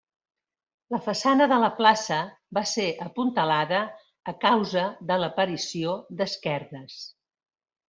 La façana de la plaça va ser apuntalada a causa de l'aparició d'esquerdes.